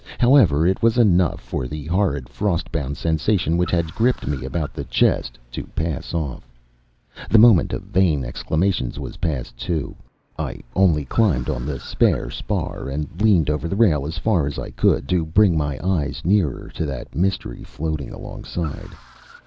However, it was enough for the horrid, frost bound sensation which had gripped me about the chest to pass off. The moment of vain exclamations was past, too. I only climbed on the spare spar and leaned over the rail as far as I could, to bring my eyes nearer to that mystery floating alongside.